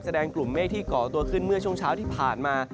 กลุ่มเมฆที่เกาะตัวขึ้นเมื่อช่วงเช้าที่ผ่านมา